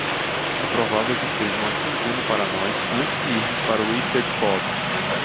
É provável que seja uma quinzena para nós antes de irmos para o Eisteddfod.